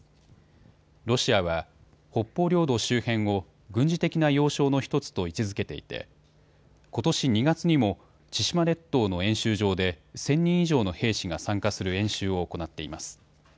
ロシアは北方領土周辺を軍事的な要衝の１つと位置づけていてことし２月にも千島列島の演習場で１０００人以上の兵士が参加する演習を行っています。